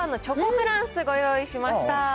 フランス、ご用意しました。